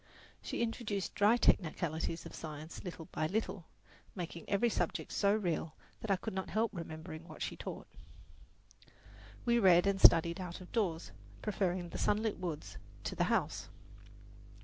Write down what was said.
She introduced dry technicalities of science little by little, making every subject so real that I could not help remembering what she taught. We read and studied out of doors, preferring the sunlit woods to the house.